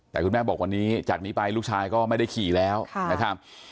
แต่คุณแม่บอกวันนี้จากนี้ไปลูกชายก็ไม่ได้ขี่แล้วนะครับ